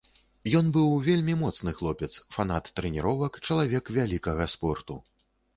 Ён быў вельмі моцны хлопец, фанат трэніровак, чалавек вялікага спорту.